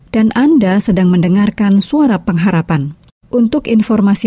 hanya dalam damai tuhan ku terima